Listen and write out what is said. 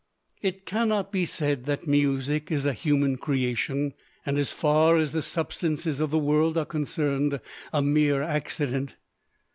It cannot be said that music is a human creation, and as far as the substances of the world are concerned, a mere accident.